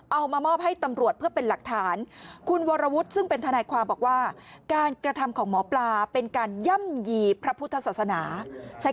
เอามอบให้สนับสนุนเข้ามาเป็นหุ้นแบบ